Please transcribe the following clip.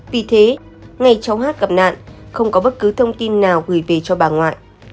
vì thế ngay cháu hát gặp nạn không có bất cứ thông tin nào gửi về cho bà ngoại